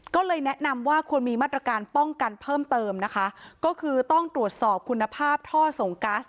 ก็เลยแนะนำว่าควรมีมาตรการป้องกันเพิ่มเติมนะคะก็คือต้องตรวจสอบคุณภาพท่อส่งก๊าซ